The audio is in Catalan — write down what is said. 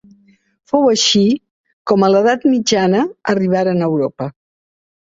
Fou així com a l'edat mitjana arribaren a Europa.